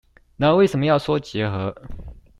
那為什麼說要結合